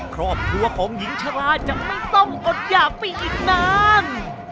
ครอบครัวของหญิงชะลาจะไม่ต้องอดหยากไปอีกนาน